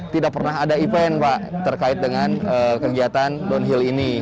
tidak pernah ada event pak terkait dengan kegiatan downhill ini